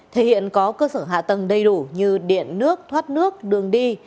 thể hiện có cơ sở hạ tầng đầy đủ như điện nước thoát nước đường đi